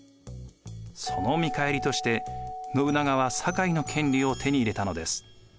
その見返りとして信長は堺の権利を手に入れたのです。